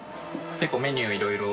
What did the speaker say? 結構メニューいろいろ。